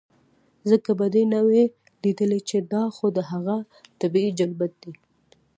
ځکه به دې نۀ وي ليدلے چې دا خو د هغه طبعي جبلت دے